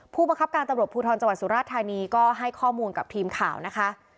ผู้บังคับการตำรวจภูทรจังหวัดสุราธานีก็ให้ข้อมูลกับทีมข่าวนะคะ